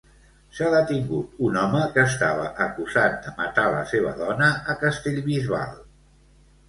S'ha detingut un home que estava acusat de matar la seva dona a Castellbisbal.